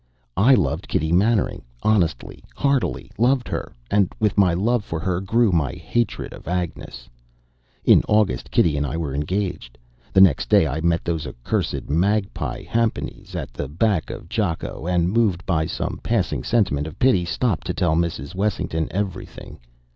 I loved Kitty Mannering; honestly, heartily loved her, and with my love for her grew my hatred for Agnes. In August Kitty and I were engaged. The next day I met those accursed "magpie" jhampanies at the back of Jakko, and, moved by some passing sentiment of pity, stopped to tell Mrs. Wessington everything.